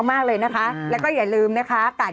โอ้โฮเจออีกแล้วนะครับ